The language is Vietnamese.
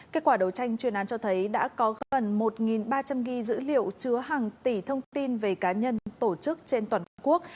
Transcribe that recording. kết quả đấu tranh chuyên án cho thấy đã có gần một ba trăm linh ghi dữ liệu chứa hàng tỷ thông tin về cá nhân tổ chức trên toàn quốc